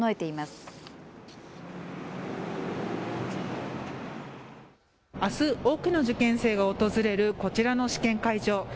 あす多くの受験生が訪れるこちらの試験会場。